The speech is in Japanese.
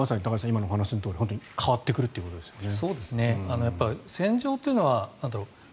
今のお話のとおり変わってくるということですね。